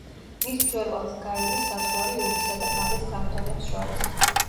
მის მწვერვალზე გაივლის საზღვარი ურისა და ვალეს კანტონებს შორის.